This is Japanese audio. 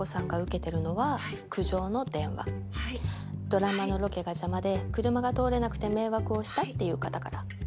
ドラマのロケが邪魔で車が通れなくて迷惑をしたっていう方から。